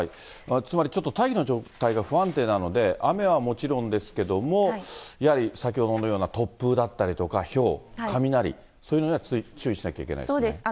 つまりちょっと大気の状態が不安定なので、雨はもちろんですけれども、やはり先ほどのような突風だったりとかひょう、雷、そういうのには注意しなければいけないですね。